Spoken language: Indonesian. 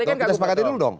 kita sepakatin dulu dong